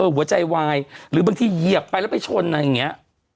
หัวใจวายหรือบางทีเหยียบไปแล้วไปชนอะไรอย่างนี้